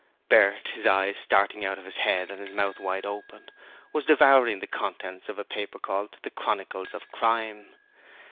Bert, his eyes starting out of his head and his mouth wide open, was devouring the contents of a paper called The Chronicles of Crime.